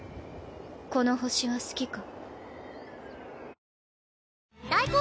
この地球は好きか？